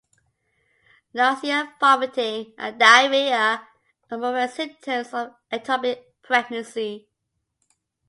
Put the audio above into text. Nausea, vomiting and diarrhea are more rare symptoms of ectopic pregnancy.